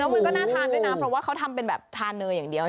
มันก็น่าทานด้วยนะเพราะว่าเขาทำเป็นแบบทานเนยอย่างเดียว